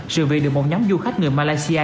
sự việc được một nhóm du khách người malaysia